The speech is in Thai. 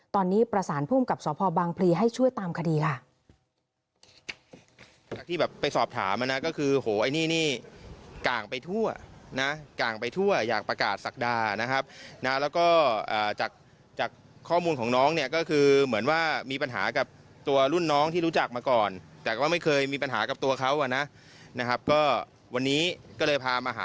ตอนนี้ประสานภูมิกับสพบางพลีให้ช่วยตามคดีค่ะ